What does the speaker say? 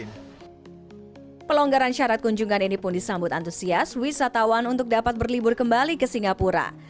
tni selalu menjadi rencana untuk hidup dengan covid sembilan belas sebagai pandemi ini selalu menjadi rencana